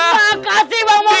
terima kasih bang mongol